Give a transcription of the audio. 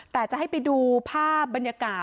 แต่จะให้ไปดูภาพบรรยากาศ